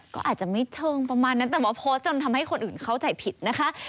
ก็อาจจะไม่เชิงประมาณนั้นแต่ว่าโพสต์จนทำให้คนอื่นเข้าใจผิดนะคะ